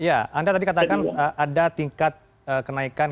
ya anda tadi katakan ada tingkat kenaikan